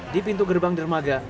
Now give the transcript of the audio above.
di pintu gerbang dermaga